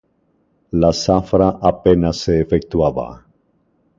La zafra apenas se efectuaba.